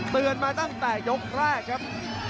เตือนมาตั้งแต่ยกแรกครับ